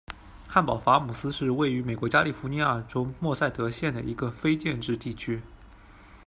汉堡法姆斯是位于美国加利福尼亚州默塞德县的一个非建制地区。